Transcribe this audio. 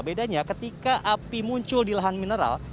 bedanya ketika api muncul di lahan mineral